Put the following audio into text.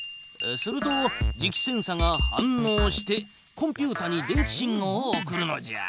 すると磁気センサが反のうしてコンピュータに電気信号を送るのじゃ。